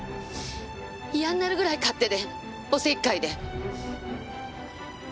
嫌になるぐらい勝手でお節介で。